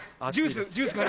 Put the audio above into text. ジュース。